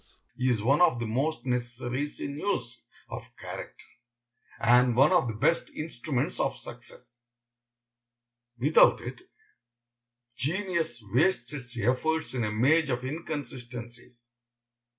Firmness of purpose is one of the most necessary sinews of character, and one of the best instruments of success. Without it, genius wastes its efforts in a maze of inconsistencies.